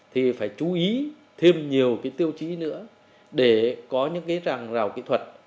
thì phải chú ý thêm nhiều cái tiêu chí nữa để có những cái ràng rào kỹ thuật